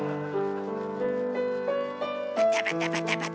バタバタバタバタ。